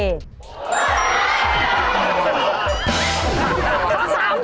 สามชัวร์